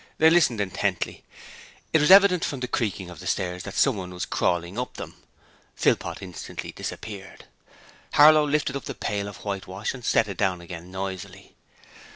They listened intently. It was evident from the creaking of the stairs that someone was crawling up them. Philpot instantly disappeared. Harlow lifted up the pail of whitewash and set it down again noisily.